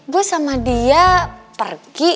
gue sama dia pergi